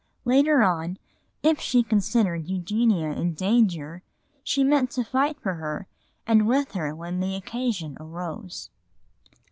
Later on, if she considered Eugenia in danger, she meant to fight for her and with her when the occasion arose.